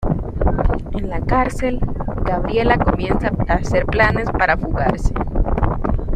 En la cárcel, Gabriela comienza a hacer planes para fugarse.